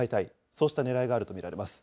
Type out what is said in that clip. そうしたねらいがあると見られます。